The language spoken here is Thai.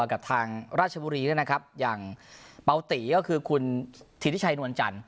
กับทางราชบุรีด้วยนะครับอย่างเปาตีก็คือคุณธิริชัยนวลจันท